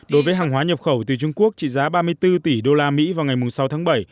đối với hàng hóa nhập khẩu từ trung quốc trị giá ba mươi bốn tỷ đô la mỹ vào ngày sáu tháng bảy